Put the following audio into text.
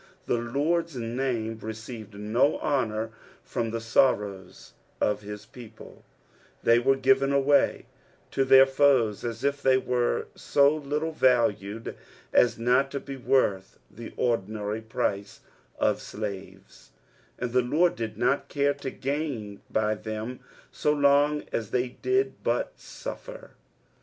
the Lord's name received do honour from the sorrows of bis people ; they were given away to their foes as if they were so little vslned as not to be worth the ordinary price of slaves, and the I^rd did not care to gain by them so lone as they did but suffer.